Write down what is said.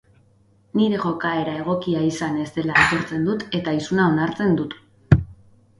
Nire jokaera egokia izan ez dela aitortzen dut eta isuna onartzen dut.